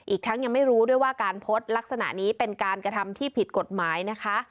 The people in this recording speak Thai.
อีกทั้งยังไม่รู้ด้วยว่าการโพสต์ลักษณะนี้เป็นการกระทำที่ผิดกฎหมายนะคะ